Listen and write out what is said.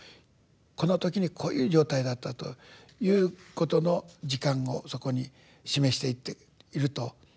この時にこういう状態だったということの時間をそこに示していっていると。